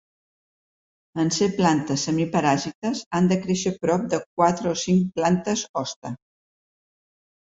En ser plantes semiparàsites han de créixer prop de quatre o cinc plantes hoste.